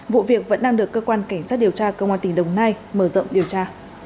vụ việc vẫn đang được cơ quan cảnh sát điều tra công an tỉnh đồng nai mở rộng điều tra